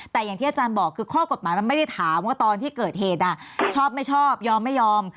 แต่อย่างที่อาจารย์บอกคือข้อกฎหมายมันไม่ได้ถามว่าตอนที่เกิดเหตุชอบไม่ชอบยอมไม่ยอม